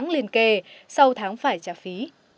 liền kề sau tháng phải trả phí